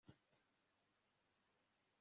Umwigisha ukomeye kuri bose azabumba